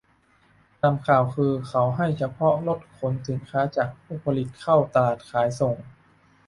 ตามข่าวคือ เขาให้เฉพาะรถขนสินค้าจากผู้ผลิตเข้าตลาดขายส่ง